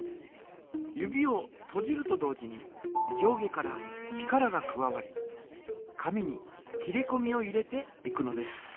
指をとじると同時に上下から力が加わり紙に切りこみを入れていくのです。